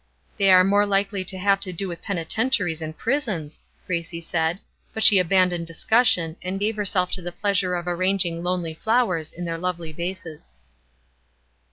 "They are more likely to have to do with penitentiaries and prisons," Gracie said; but she abandoned discussion, and gave herself to the pleasure of arranging lonely flowers in their lovely vases.